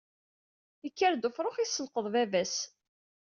Ikker-d ufrux isselqeḍ baba-s.